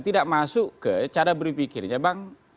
tidak masuk ke cara berpikirnya bang